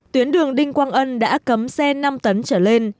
tuyến đường đinh quang ân đã cấm xe năm tấn trở lên